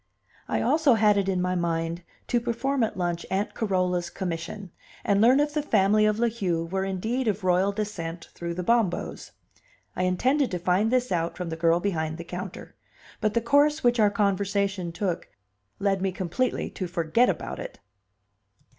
I also had it in my mind to perform at lunch Aunt Carola's commission, and learn if the family of La Heu were indeed of royal descent through the Bombos. I intended to find this out from the girl behind the counter, but the course which our conversation took led me completely to forget about it.